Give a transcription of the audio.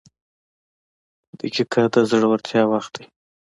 • دقیقه د زړورتیا وخت دی.